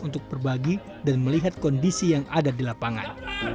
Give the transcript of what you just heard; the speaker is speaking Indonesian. untuk berbagi dan melihat kondisi yang ada di lapangan